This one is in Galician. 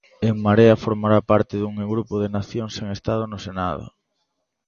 En Marea formará parte dun grupo de "nacións sen Estado" no Senado.